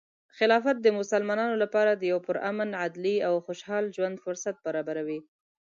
خلافت د مسلمانانو لپاره د یو پرامن، عدلي، او خوشحال ژوند فرصت برابروي.